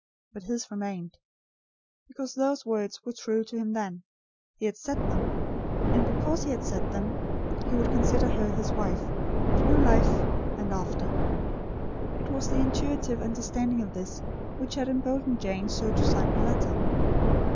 But his remained. Because those words were true to him then, he had said them; and, because he had said them, he would consider her his wife, through life, and after. It was the intuitive understanding of this, which had emboldened Jane so to sign her letter.